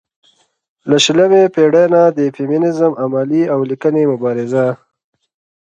له شلمې پېړۍ نه د فيمينزم عملي او ليکنۍ مبارزه